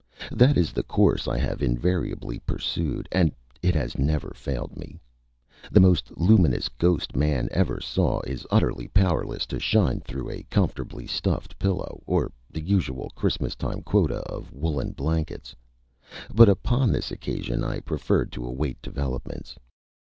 That is the course I have invariably pursued, and it has never failed me. The most luminous ghost man ever saw is utterly powerless to shine through a comfortably stuffed pillow, or the usual Christmas time quota of woollen blankets. But upon this occasion I preferred to await developments.